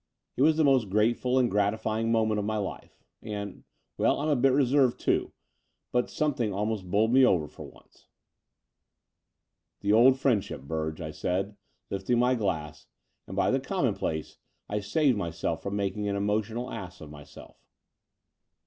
It was the most grateful and gratifying moment of my life, and — well, I'm a bit reserved, too, but something almost bowled me over for once. "The old friendship, Burge," I said, lifting my glass: and by the commonplace I saved myself from making an emotional ass of myself.